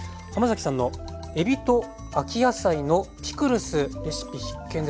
さんのえびと秋野菜のピクルスレシピ必見です。